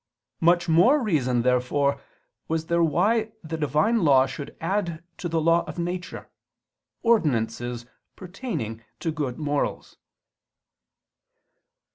Much more reason therefore was there why the Divine law should add to the law of nature, ordinances pertaining to good morals.